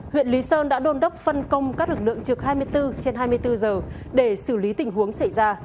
huyện lý sơn đã đôn đốc phân công các lực lượng trực hai mươi bốn trên hai mươi bốn giờ để xử lý tình huống xảy ra